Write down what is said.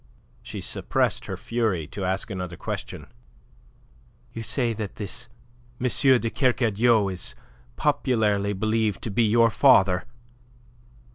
She suppressed her fury to ask another question. "You say that this M. de Kercadiou is popularly believed to be your father.